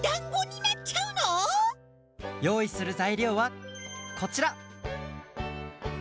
よういするざいりょうはこちら！